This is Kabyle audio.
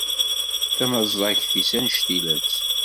Tamaẓagt-is anect-ilatt.